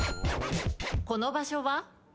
この場所は？